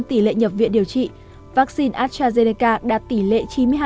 trong nhập viện điều trị vaccine astrazeneca đạt tỷ lệ chín mươi hai